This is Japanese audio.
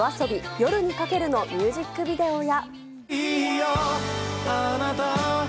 「夜に駆ける」のミュージックビデオや。